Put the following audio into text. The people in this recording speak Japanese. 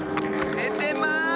ねてます！